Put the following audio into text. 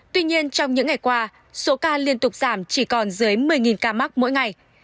tuy nhiên trong những ngày qua số ca liên tục giảm chỉ còn dưới một mươi ca mắc mỗi ngày